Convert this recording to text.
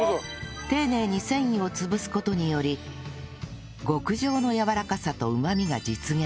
丁寧に繊維を潰す事により極上のやわらかさとうまみが実現